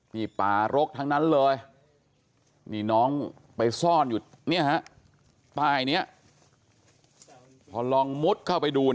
นี่ป่ารกทั้งนั้นเลยนี่น้องไปซ่อนอยู่ใต้นี้พอลองมุดเข้าไปดู